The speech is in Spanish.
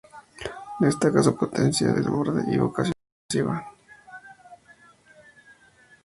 Destaca su potencia, desborde y vocación ofensiva.